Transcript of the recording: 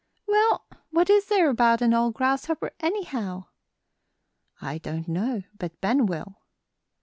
"Well, what is there about an old grasshopper, anyhow?" "I don't know, but Ben will."